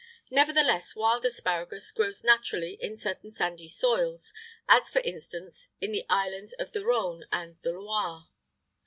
Nevertheless, wild asparagus grows naturally in certain sandy soils, as, for instance, in the islands of the Rhône and the Loire.